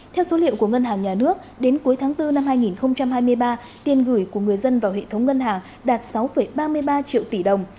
theo số liệu của ngân hàng nhà nước đến cuối tháng bốn năm hai nghìn hai mươi ba tiền gửi của người dân vào hệ thống ngân hàng đạt sáu ba mươi ba triệu tỷ đồng